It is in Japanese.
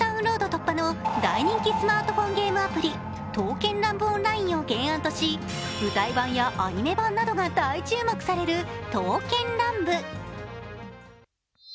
突破の大人気スマートフォンゲームアプリ「刀剣乱舞−ＯＮＬＩＮＥ−」を原案とし舞台版やアニメ版などが大注目される「刀剣乱舞」。